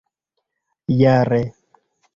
jare